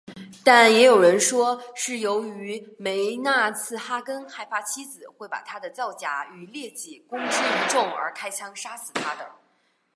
但也有人说是由于梅纳茨哈根害怕妻子会把他的造假与劣迹公之于众而开枪杀死她的。